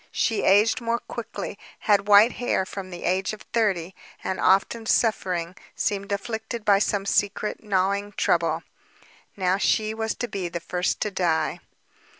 She aged more quickly, had white hair from the age of thirty, and often suffering, seemed afflicted by some secret, gnawing trouble. Now she was to be the first to die.